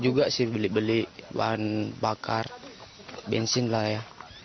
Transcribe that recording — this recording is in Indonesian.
juga sih beli beli bahan bakar bensin lah ya